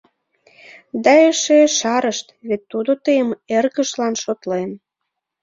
Да эше ешарышт: «вет тудо тыйым эргыжлан шотлен...»